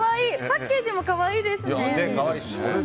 パッケージも可愛いですね。